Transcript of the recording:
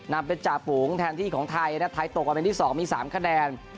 นำเป็นจ่าปูงแทนที่ของท้ายนะท้ายตกออกมาเป็นที่๒มี๓คะแนน